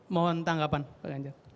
mohon tanggapan pak ganjar